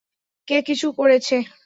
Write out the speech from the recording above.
কে কিছু করেছে?